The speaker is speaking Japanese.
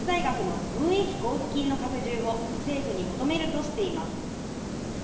ＮＨＫ党は国立大学の運営費交付金の拡充を政府に求めるとしています。